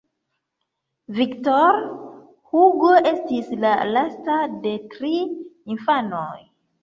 Victor Hugo estis la lasta de tri infanoj.